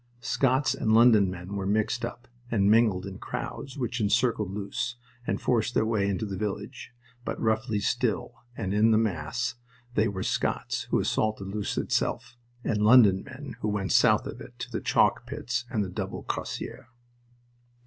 Scots and London men were mixed up, and mingled in crowds which encircled Loos, and forced their way into the village; but roughly still, and in the mass, they were Scots who assaulted Loos itself, and London men who went south of it to the chalk pits and the Double Crassier.